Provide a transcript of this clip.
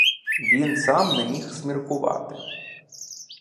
Він сам не міг зміркувати.